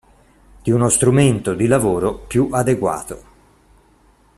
Di uno strumento di lavoro più adeguato.